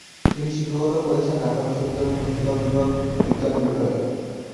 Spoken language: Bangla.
তিনি শিক্ষকতা করেছেন ঢাকা বিশ্ববিদ্যালয়ের মৃত্তিকা বিজ্ঞান বিভাগে।